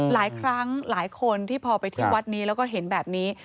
หลายครั้งหลายคนที่พอไปที่วัดนี้แล้วก็เห็นแบบนี้